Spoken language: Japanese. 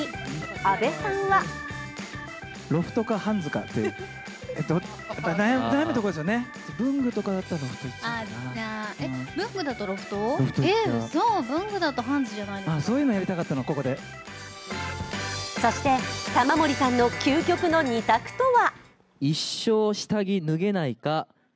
阿部さんはそして玉森さんの究極の２択とは？